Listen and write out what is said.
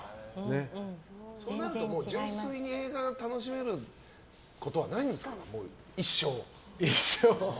そうなると純粋に映画楽しめることはないんですか一生。